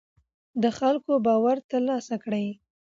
د خلکو باور تر لاسه کړئ